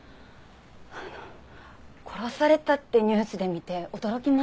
あの殺されたってニュースで見て驚きました。